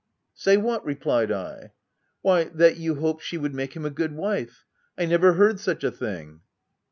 " Say what ?" replied I. " Why, that you hoped she would make him a good wife — I never heard such a thing